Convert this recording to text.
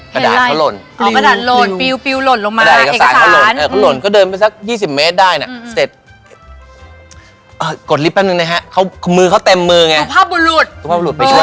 ก้มอย่างงี้ไม่ได้มันต้องก้มท่าทื้อสวย